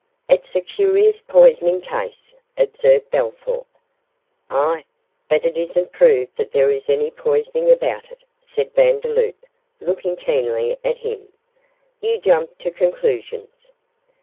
'It's a curious poisoning case,' observed Bellthorp. 'Ah, but it isn't proved that there is any poisoning about it,' said Vandeloup, looking keenly at him; 'you jump to conclusions.